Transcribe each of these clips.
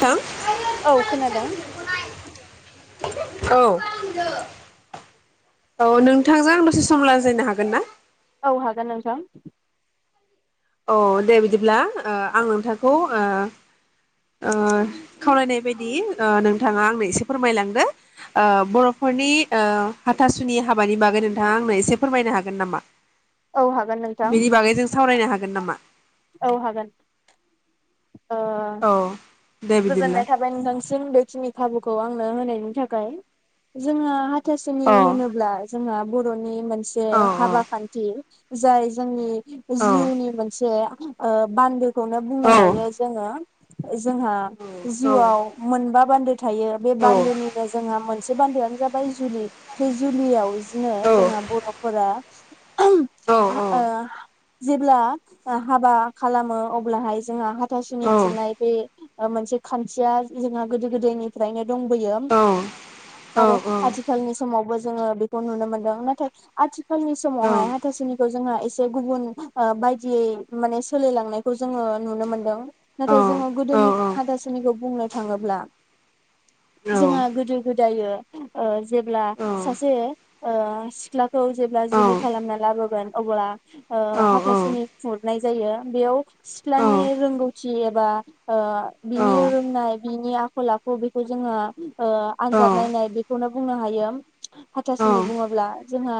थां औ खोनादों। औ औ नोंथांजों आं दसे सम लाजायनो हागोन ना? औ हागोन नोंथां। औ दे बिदिब्ला ओ आं नोंथांखौ ओ ओ खावलायनाय बायदि ओ नोंथाङा आंनो एसे फोरमायलांदो ओ बर'फोरनि ओ हाथासुनि हाबानि बागै नोंथाङा आंनो एसे फोरमायनो हागोन नामा? औ हागोन नोंथां बिनि बागै जों सावरायनो हा गोन नामा औ हागोन। ओ औ दे बिदिब्ला गोजोननाय थाबाय नोंथांसिम बेखिनि खाबुखौ आंनो होनायनि [unintelligible] जोङो हाथासुनि औ होनोब्ला जोंहा बर'नि मोनसे औ औ हाबा खान्थि जाय जोंनि औ जिउनि मोनसे ओ बान्दो खौनो औ बुंनो हायो। [unintelligible] जोंहा औ जिउआव मोनबा बान्दो थायो बे औ बानदोनिनो जोंहा मोन मोनसे बान्दोआनो जाबाय जुलि बे जुलियाव बिदिनो औ जोंहा बर'फोरा [inaudible] औ जेब्ला हाबा खालामो अब्लाहाय जोंहा हाथासुनि खुरनाय बे मोनसे खान्थिया जोंहा गोदो गोदायनिफ्रायनो। दंबोयो औ आरो आथिखालनि समावबो जोङो बेखौ नुनो मोन्दों नाथाय आथिखालनि समावहाय हाथासुनिखौ जोंहा एसे गुबुन बायदियै माने सोलायलांनायखौ जोङो नुनो मोनदों नाथाय जोङो औ गोदोनि औ हाथासनिखौ बुंनो थाङोब्ला औ जोंहा गोदो गोद दायो ओ जेब्ला औ सासे ओ सिख्ला खौ जेब्ला जुलि खालामना लाबोगोन अब्ला ओ हाथासुनि खुरनाय जायो बेयाव सिथ्लानि रोंगौथि थि एबा ओ बिनि रोंनाय बिनि आखल आखु बेखौ जोङो ओ आनजाद नायनाय बेखौनो बुंनो हायो हाथासुनि बुङोब्ला जोंहा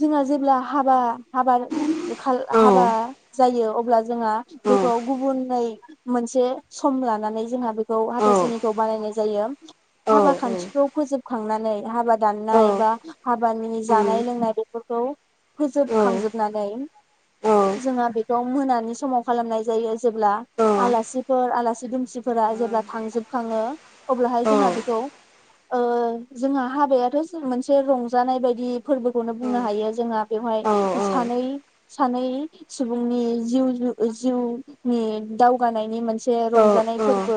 जोंहा जेब्ला हाबा हाबा ओखाल हाबा जायो अब्ला जोंङा बेखौ गुबुनै मोनसे सम लानानै जोंहाबो खौ हाथासुनिखौ बानायनाय जायो हाबा खान्थिखौ फोजोबखांनानै नै हाबा दाननाय बा हाबानि जानाय लोंनाय बेफोरखौ औ फोजोबखांजोबनानै जोंहा बेखौ मोनानि समाव खालामनाय जायो जेब्ला आलासिफोर आलासि दुमसिफोरा जेब्ला थांजोबखाङो अब्लाहाय जोंहा बेखौ ओ जोंहा हाबायाथ मोनसे रंजानाय बायदि फोरबोखौनो बुंनो हायो जोंहा बेवहाय सानै सानै सुबुंनि जिउ जिउ नि दावगानायनि मोनसे मोनसे रंजानाय फोरबो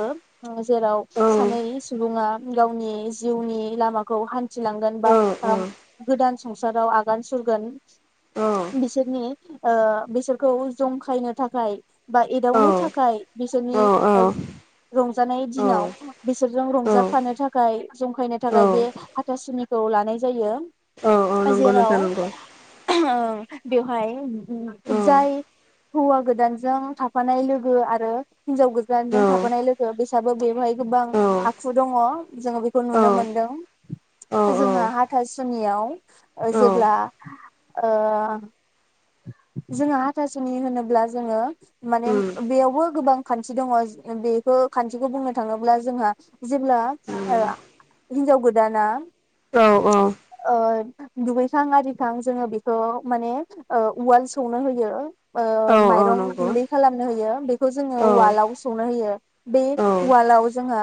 ओ जेराव सानै सुबुङा गावनि जिउनि लामाखौ हान्थिलांगोन [unintelligible] संसाराव आगान सुरगोन बिसोरनि ओ बिसोरखौ जंखायनो थाखाय बा एदावनो थाखाय बिसोरनि रंजानाय दिनाव बिसोरजों रंजा जाफानो थाखाय जंखायनो थाखाय बे हाथासुनिखौ लानाय जायो नंगौ जेराव नोंथां नंगौ ओ बेवहाय औ जाय हौवा गोदानजों थाफानाय लोगो आरो हिनजाव गोदानजों थाफानाय लोगो बिसाबो बेवहाय गोबां औ औ आखु दङ जोङो बेखौ नुनो मोनदों औ जोंहा हाथासुनियाव ओ जेब्ला ओ जोंहा हाथासु'नि होनोब्ला जोङो माने बेयावबो गोबां खान्थि दङ बेखौ खान्थिखौ बुंनो थाङोब्ला जोंहा जेब्ला ओ हिन्जाव गोदाना औ औ ओ दुगैखां आरिखां जोङो बेखौ माने ओ उवाल सौनो होयो ओ औ औ माइरं नंगौ गुन्दै खालामनो होयो खौ जोङो औ उवालाव सौनो होयो बे औ उवालाव जोंहा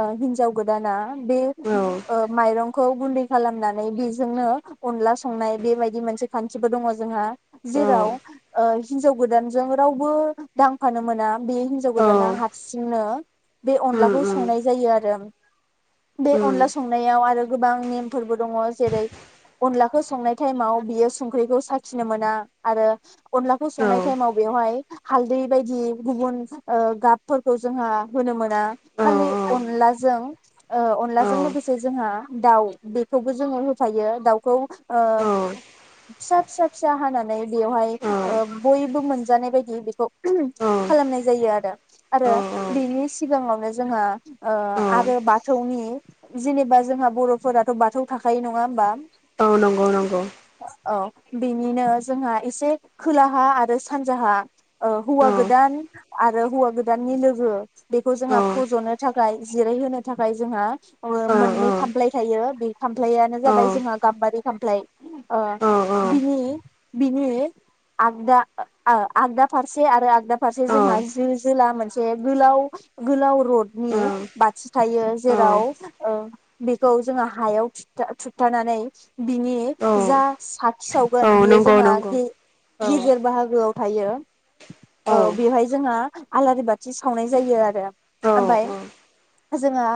ओ हिन्जाव गोदाना बे औ ओ माइरं खौ गुन्दै खालामनानै बेजोंनो अनला संनाय बेबायदि मोनसे खान्थिबो दङ जोंहा औ जेराव ओ हिनजाव गोदानजों रावबो दांफानो मोना बे हिनजाव औ गोदाना हारसिंनो बे उम अनलाखौ उम संनाय जायो आरो। बे उम अनला संनायाव आरो गोबां नेमफोरबो दङ जेरै- अनलाखौ संनाय टाइमाव बियो संख्रिखौ साखि नो मोना आरो अनलाखौ औ संनाय टाइमाव बेवहाय हालदै बायदि गुबुन ओ गाबफोरखौ जोंहा होनो मोना औ खालि अनलाजों ओ औ अनलाजों लोगोसे जोंहा दाउ बेखौबो जोङो होफायो दाउखौ ओ फिसा फिसा फिसा हानानै बेवहाय ओ बयबो मोनजानाय बायदि बेखौ औ [unintelligible] खालामनाय जायो आरो। औ आरो बिनि सिगाङावनो जोंहा ओ औ आरो बाथौनि जेनेबा जोंहा बर'फोराथ' बाथौ थाखायो नङा होमबा औ नंगौ नंगौ औ बेनिनो जोंहा एसे खोलाहा आरो सानजाहा ओ औ हौवा गोदान आरो हौवा गोदाननि लोगो बेखौ औ जोंहा फज'नो थाखाय जिरायहोनो थाखाय जोंहा ओ औ मोननै खामफ्लाय थायो बे खामफ्लायानो जाबाय जोंहा गाम्बारि खामफ्लाय ओ औ बिनि बिनि आगदा ओ आगदा फारसे आरो आगदा फारसे औ जोंहा जो जोला मोनसे बे गोलाव गोलाव रड नि बाथि थायो जेराव ओ बेखौ जोङो हायाव थुथ थुथानानै बिनि जा सा थि औ सावगोन बियो नंगौ जोंहा नंगौ औ गे'गेजेर बाहागोआव थायो बियो औ बेवहाय जोंहा आलारि बाथि सावनाय जायो आरो औ ओमफाय जोंहा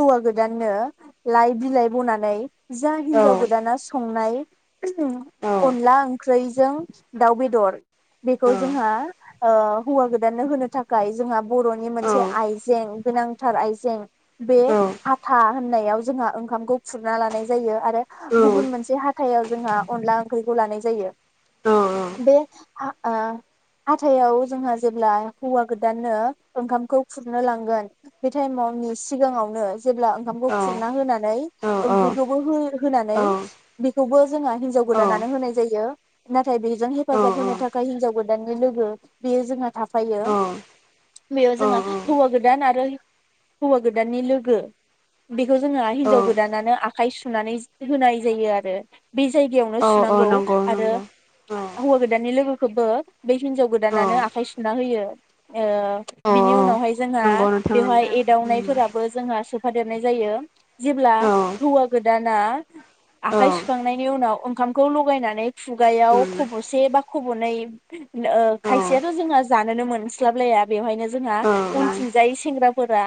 हौवा गोदाननो लाइ बिलाइ बनानै जा हिन्जाव गोदाना संनाय ओ सङो औ औ अनला ओंख्रैजों दाउ बेदर बेखौ जोंहा ओ हौवा गोदाननो होनो थाखाय जोंहा बर'नि मोनसे आइजें गोनांथार आइजें बे औ हाथा होननायाव जोंहा ओंखामखौ खुरना लानाय जायो आरो गुबन मोनसे हाथ थायाव जोंहा अनला ओं ओंख्रिखौ लानाय जायो बे हा ओ हाथाइआव जोंहा जेब्ला हौवा गोदाननो ओंखामखौ खुरनो लांगोन बे टाइम मनि सिगाङावनो जेब्ला ओंखामखौ खुरना होनानै ओंख्रिखौबो हो होनानै बेखौबो जोंहा हिनजाव गोद दानानो होनाय जायो नाथाय बेजों हेफाजाब औ होनो थाखाय हिनजाव गोदाननि लोगो बेयो जोंहा थाफायो औ बेयाव औ जोंहा हौवा गोदान आरो हि हौवा गोदाननि लोगो। बेखौ जोंहा औ हिनजाव गोदानानो आ आखाइ सुनानैस होनाय जायो आरो बे जायगायावन औ औ नंगौ आरो नंगौ औ हौवा गोदान नि लोगो खोबो बे हिनजाव औ गोदानानो आखाइ सुना होयो ओ औ औ बिनि उनावहाय ज जोंहा नंगौ नोंथां बेवहाय नंगौ उम एदावनायफोराबो जोंहा सुब थाफा देरनाय जायो जेब्ला औ हौवा गोदाना औ आखाइ सुखांनायनि उनाव ओंखामखौ लगायनानैब खुगायाव उम खबसे बा खबनै ओ औ खायसेयाथ' जोंहा जानोनो मोनस्लाबलाया बेवहायनो जोंहा औ औ उम औ उनथिंजाय सेंग्राफोरा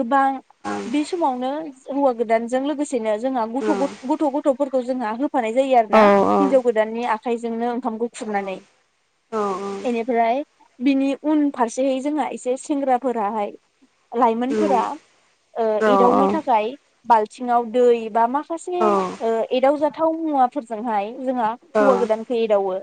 गोबां औ बे समावनो हौवा गोदानजों लोगोसेनो जोंहा गथ' गथ गथ' गथ'फोरखौ जोंहा होफानाय जायो आरो ना हिनजाव गोदाननि आखाइजोंनो ओंखामखौ खुरनानै बेनिफ्राय बिनि उन फारसेहै जोंहा एसे सेंग्राफोराहाय लाइमोनफोरा ओ एदावनो थाखाय बालथिङाव दै बा माखासे ओ एदावजाथाव मुवा फोरजों हाय जोंहा हौवा गोदानखो एदावो।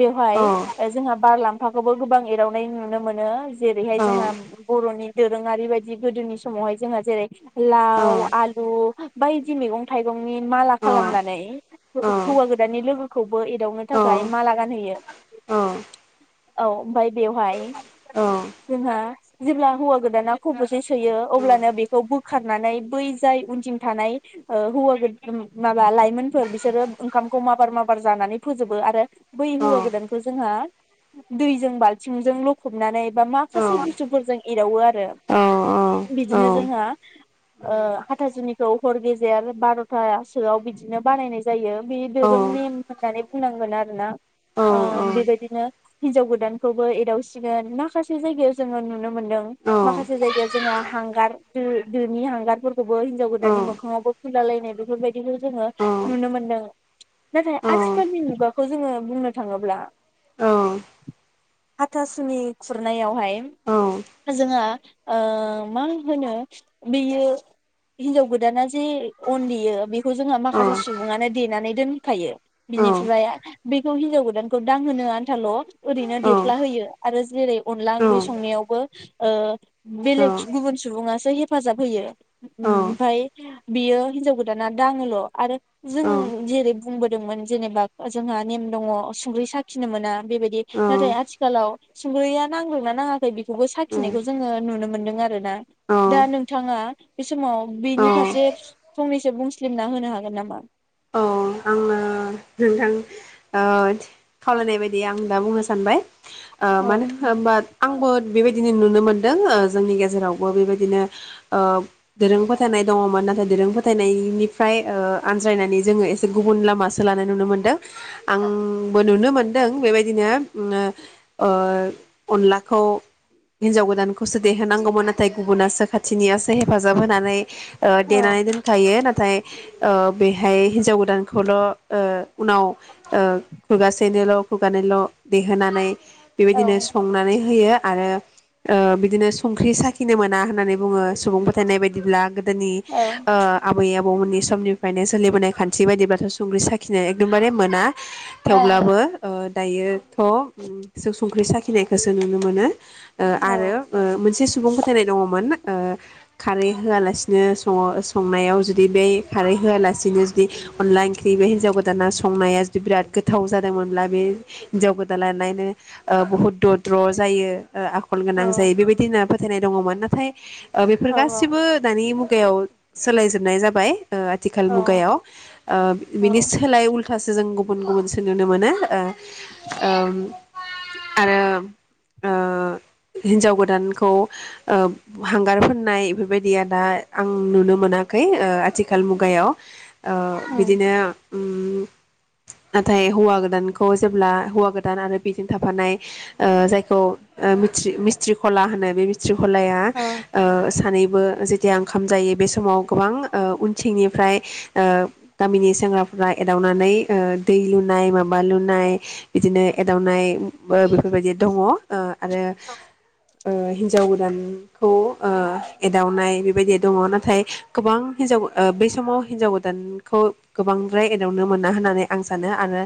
बेवहाय ओ जोंहा बारलामफाखौबो गोबां एरावनाय नुनो मोनो जेरैहाय जोंहा बर'नि दोरोङारि बायदि गोदोनि समावहाय जोंहा जेरै लाव, आलु बायदि मैगं थाइगंनि माला खालामनानै फोर हौवा गोदाननि लोगोखौबो एदावनो थाखाय माला गानहैयो औ ओमफाय बेवहाय जोंहा जेब्ला हौवा गोदाना खबसे सोयो अब्लानो बेखौ बोखारनानै बै जाय उनथिं थानाय ओ हौवा गोदान माबा लाइमोनफोर बिस बिसोरो ओंखामखौ माबार माबार जानानै फोजोबो आरो बै हौवा गोदानखौ जोंहा दैजों बालथिंजों लखबनानै बा माखासे बुस्थुफोरजों एदावो आर रो बिदिनो जोंहा ओ हाथासुनिखौ हर गेजेर बार'थासोआव बिदिनो बानायनाय ज जायो। बे दोरों नेम होननानै, होनांगोन आरोना ओ बेबायदिनो हिनजाव गोदानखौबो एदावसिगोन माखासे जायगायाव जोङो नुनो, मोनदों माखासे जायगायाव जोंहा, दार ओ दोनि हांगारफोरखौबो हिजाव औ गोदान, गोदाननि मोखांङावबो फुनला लाय बेफोरबायदिनो जोङो, औ औ नुनो मोनदों नाथाय औ आथिखालनि मुगाखौ जोङो बुंनो थाङोब्ला, औ हाथासुनि खुरनायावहाय, औ जोङो ओ मा होनो बेयो हिनजाव गोदाना जे अन देयो बे बेखौ जोङा औ माखासे देनानै दोनखायो औ बिनिफ्राय बेखौ हिनजाव गोदानखौ दांहोनो आन्थाल' ओरैनो देफ्ला होयो आरो जेरै अनला ओंख्रि औ संनायावबो, ओ बेलेग गुबुन सुबुंङा‌, हेफाजाब होयो ओमफ्राय बियो हिनजाव गोदाना दाङोल' आरो जों जेरै बुंबोदोंमोन जेनेबा जोंहा नेम दङ सुंग्रि साखिनो मोना, बेबायदि नाथाय आथिखालाव, संख्रैया नांदोंना नाङाखै बिख बिखौबो साखिनायखौ जोङो नुनो मोनदों आरो दा औ नोंथाङा, बे समाव औ बेनि फारसे फंनैसो बुं फुस्लिमना होनो हागोन नामा? औ आङो नोंथां ओ खावलायनाय बायदि आं दा बुंनो सानबाय, ओ औ मानो होमबा आंबो बेबायदि, दिनै नुनो मोनदों ओ जोंनि गेजेरावबो बेबायदिनो ओ दोरों फोथायनाय दङमोन नाथाय दोरों फोथायनायनिफ्राय ओ आनज्रायनानै जोङो एसे, गुबुन लामासो लानाय नुनो मोनदों आंबो नुनो मोनदों बेबायदिनो अ अनलाखौ हिनजाव गोदानखौसो देहोनांगौमोन नाथाय गुबुनासो खाथ थिनियासो हेफाजाब होनानै ओ औ देनानै दोनखायो नाथाय ओ बेहाय हिनजाव गोद गोदानखौल' ओ उनाव ओ खुगासेनिल' खुगानिल' देहोनानै, औ बेबायदिनो संनानै होयो आरो ओ बिदिनो संख्रि साखिनो मोना होननानै बुङो सुबुं फोथायनाय बायदिब्ला गो दोनि औ ओ आबै आब बौ मोननि समनिफ्रायनो सोलिबोनाय खान्थ थि बायदिब्लाथ संख्रि साखिनाय एकदमबारे मोना थेवब्लाबो ओ दायोथ जों संख्रि साखिनायखौसो नुनो मोनो। ओ औ आरो ओ मोनसे सुबुं फोथायनाय दङमोन। ओ खारै होआलासिनो संओ संनायाव जुदि बे खारै होआलासिनो जुदि अनला ओंख्रि बे हिन्जाव गोदाना संनाया जुदि बिराद गोथाव जादोंमोनब्ला बे हिनजाव गोदाला लायनो ओ बहुद दद्र जायो। ओ आखल औ गोनां जायो बेबायदि होनना फो फोथायनाय दङमोन नाथाय ओ बेफोर औ गासिबो दानि मु गायाव सोलायजोबनाय जाबाय ओ आथिखाल औ मुगायाव ओ औ बिनि सोलाय उ उल्थासो जों गुबुन गुबुनसो नुनो मोनो ओ ओम आरो ओ हिन्जाव गोदानखौ ओ हांगार फोननाय बेफोरबायदिया दा आं नुनो मोनाखै ओ आथिखाल मुगायाव ओ बिदिनो ओम नाथाय हौवा गोदानखौ जेब्ला हौवा गोदान आरो बेजों थाफानाय ओ जायखौ ओ मिस्टि मिस्ट्रिखला होनो बे मिस थ्रिखलाया ओ सानै बो जेथिया ओंखाम जायो बे समाव गोबां ओ उनथिंनिफ्राय ओ गामिनि सेंग्राफ्रा एदावनानै ओ दै लुनाय माबा लुनाय बिदिनो एदावनाय बो बेफोरबायदि दङ ओ आरो ओ हिन्जाव गोदान खौ ओ एदावनाय बेबायदिया दङ नाथाय गोबां हिन्जाव ओ बै समाव हिन्जाव गोदानखौ गोबांद्राय एदावनो मोना होननानै आं सानो आरो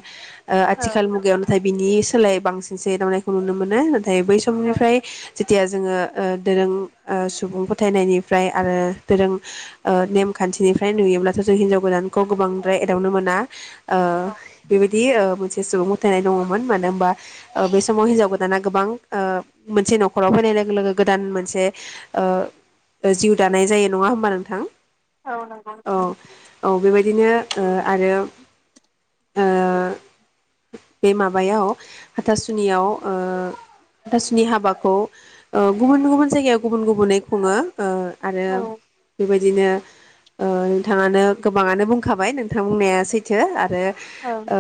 ओ आथिखाल मुगायाव नाथाय बिनि सोलाय बांसिनसो एदावनायखौ नुनो मोनो थाय बै समनिफ्राय जेथिया जोङो ओ दोरों ओ सुबुं फोथायनायनिफ्राय आरो दोरों ओ नेमखान्थिनिफ्राय नुयोब्ला ज ज हिन्जाव गोदानखौ गोबांद्राय एदावनो मोना आ बेबायदि ओ मोनसे जे सुबुं गोथायनाय दङमोन मानो होनबा ओ बे समाव हिनजाव गोदाना गोबां ओ मोनसे नखराव फैनाय लोगो लोगो गोदान मोनसे ओ जिउ दानाय जायो नङा होमबा नोंथां? औ नंगौ औ नोंथां। औ बेबायदिनो ओ आरो ओ बे माबायाव हाथासुनियाव ओ हाथासुनि हाबाखौ ओ गुबुन गुबुन जायगायाव गुबुन गुबुनै खुङो। ओ आरो औ बेबायदि बिदिनो ओ नोंथाङानो गोबाङानो बुंखाबाय नोंथां बुंनाया सैथो आरो औ [unintelligible] ओ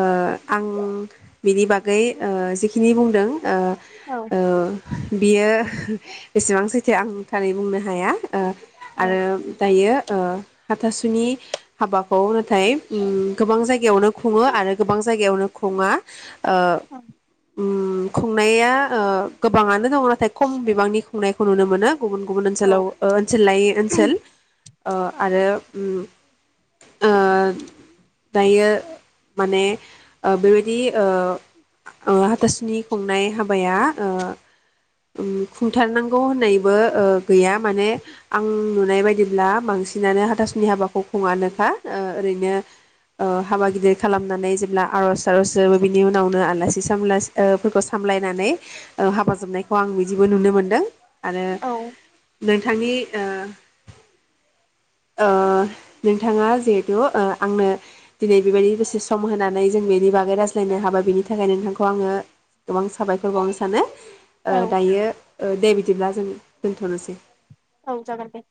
आं बिनि बागै ओ जिखिनि बुंदों ओ औ ओ बियो बेसेबां सैथो आंथारै बुंनो हाया ओ आरो दायो ओ हाथासुनि हाबाखौ नाथाय उम गोबां जायगायावनो खुङो आरो गोबां जायगायावनो खुङा ओ औ उम खुंनाया ओ गोबाङानो दङ नाथाय खम बिबांनि संनायखौ नुनो मोनो गुबुन गुबुन औ ओनसोलाव ओ ओनसोल लायै ओनसोल ओ आरो उम ओ दायो माने ओ बेबायदि ओ ओ हाथासुनि खुंनाय हाबाया ओ खुंथारनांगौ होननायबो ओ गैया माने आं नुनाय बायदिब्ला बांसिनानो हाथास नि हाबाखौ खुङानोखा ओ ओरैनो ओ हाबा गिदिर खालामनानै जेब्ला आर'ज थार'ज जोबो बिनि उनावनो आलासि सामलासओफोरखौ सामलायनानै ओ हाबा जोबनायखौ आं बिदिबो नुनो मोनदों। आरो औ नोंथांनि ओ ओ नोंथाङा जिहेथु ओ आंनो दिनै बेबायदि बेसे सम होनानै जों बेनि बागै रायज्लायनो हाबाय बेनि थाखाय नोंथांखौ आङो गोबां साबायखर बावनो सानो। ओ औ दायो ओ दे बिदिब्ला जों दोन्थ'नोसै औ जागोन दे